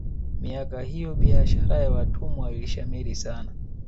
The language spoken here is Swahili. miaka hiyo biashara ya watumwa ilishamiri sana